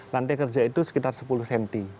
lantai kerja itu sekitar sepuluh cm